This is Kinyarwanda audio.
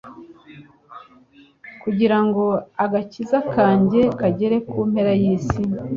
kugira ngo agakiza kanjye kagere ku mpera y'isi.